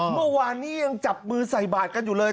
เมื่อวานนี้ยังจับมือใส่บาทกันอยู่เลย